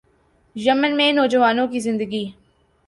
یمن میں نوجوانوں کی زندگی